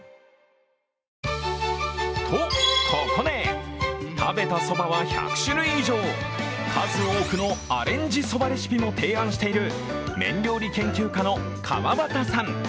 と、ここで、食べたそばは１００種類以上、数多くのアレンジそばレシピも提案している麺料理研究家の川端さん。